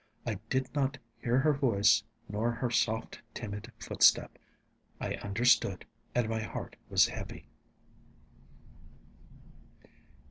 I did not hear her voice, nor her soft, timid footstep. ... I understood, and my heart was heavy.